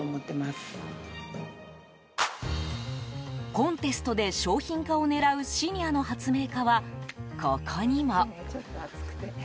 コンテストで商品化を狙うシニアの発明家は、ここにも。